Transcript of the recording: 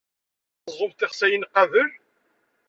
Ad teẓẓumt tixsayin qabel?